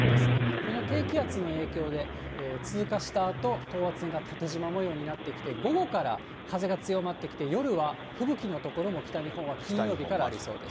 この低気圧の影響で、通過したあと、等圧線が縦じま模様になってきて、午後から風が強まってきて、夜は吹雪の所も北日本は金曜日からありそうです。